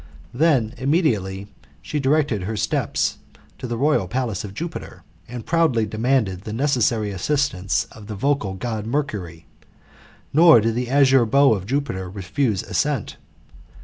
Then immediately she directed her steps to the royal palace of Jupiter, and proudly demanded the necessary assistance of the vocal God Mercury; nor did the azure brow of Jupiter refuse assent.